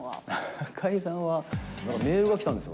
中居さんは、メールが来たんですよ。